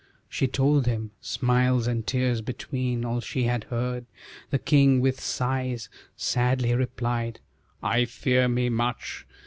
She told him, smiles and tears between, All she had heard; the king with sighs Sadly replied: "I fear me much!